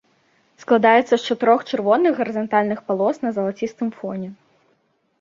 Складаецца з чатырох чырвоных гарызантальных палос на залацістым фоне.